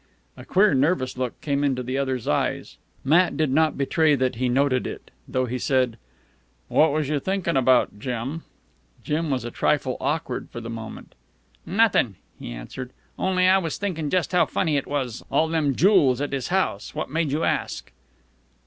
A queer, nervous look came in the other's eyes. Matt did not betray that he noted it, though he said: "What was you thinkin' about, Jim!" Jim was a trifle awkward for the moment. "Nothin'," he answered. "Only I was thinkin' just how funny it was all them jools at his house. What made you ask?"